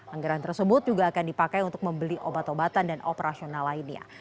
anggaran tersebut juga akan dipakai untuk membeli obat obatan dan operasional lainnya